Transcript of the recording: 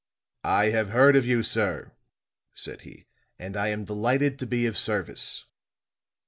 "I have heard of you, sir," said he, "and I am delighted to be of service!"